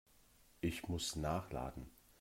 Ich muss nachladen.